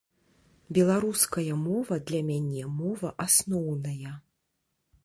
Беларуская мова для мяне мова асноўная.